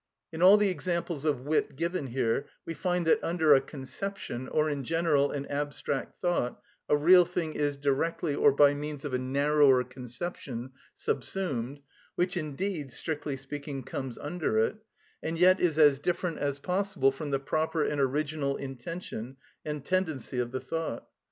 In all the examples of wit given here we find that under a conception, or in general an abstract thought, a real thing is, directly, or by means of a narrower conception, subsumed, which indeed, strictly speaking, comes under it, and yet is as different as possible from the proper and original intention and tendency of the thought.